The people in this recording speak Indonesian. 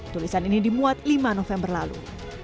tulisan ini dimuat lima november lalu